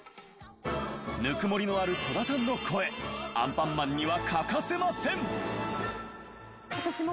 ぬくもりのある戸田さんの声『アンパンマン』には欠かせません。